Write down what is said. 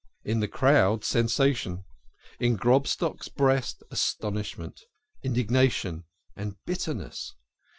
In the crowd sensation, in Grobstock's breast astonish ment, indignation, and bitterness.